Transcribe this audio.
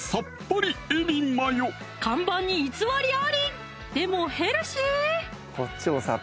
看板に偽りありでもヘルシー！